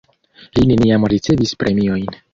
Li neniam ricevis premiojn.